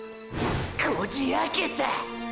こじ開けたァ！！